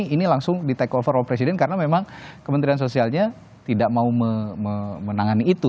ini langsung di take over oleh presiden karena memang kementerian sosialnya tidak mau menangani itu